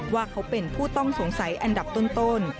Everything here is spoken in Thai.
ว่าเขาเป็นผู้ต้องสงสัยอันดับต้น